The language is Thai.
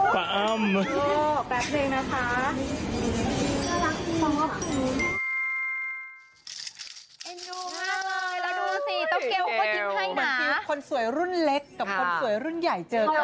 สิ่งที่คนสวยรุ่นเล็กกับคนสวยรุ่นใหญ่เจอกัน